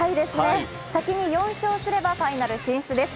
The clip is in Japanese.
先に４勝すればファイナル進出です。